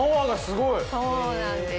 そうなんです。